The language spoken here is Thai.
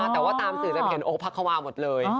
แต่ว่าตามสื่อไปเห็นโอพักควาหมดเลย